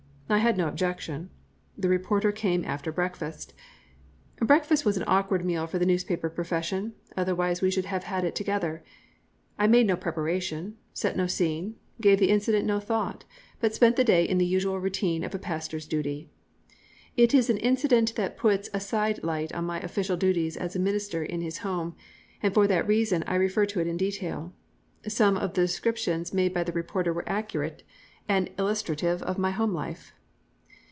I had no objection. The reporter came after breakfast. Breakfast was an awkward meal for the newspaper profession, otherwise we should have had it together. I made no preparation, set no scene, gave the incident no thought, but spent the day in the usual routine of a pastor's duty. It is an incident that puts a side light on my official duties as a minister in his home, and for that reason I refer to it in detail. Some of the descriptions made by the reporter were accurate, and illustrative of my home life.